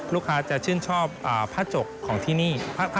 ลูกค้าจะชื่นชอบผ้าจกของที่นี่